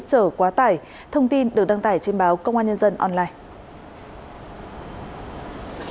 chở quá tải thông tin được đăng tải trên báo công an nhân dân online